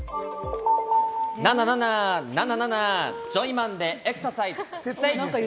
ナナナナ、ナナナナ、ジョイマンでエクササイズ！